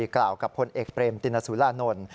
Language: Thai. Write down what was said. ก็เลยเก่ากับพลเอกเปรมติณสูอาน่ล